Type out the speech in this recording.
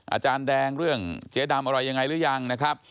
อาจารย์แดงเรื่องเจ๊ดำอะไรยังไงหรือยังนะครับ